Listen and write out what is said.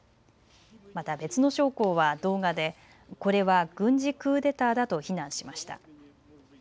また別の将校は動画でこれは軍事クーデターだと非難しました。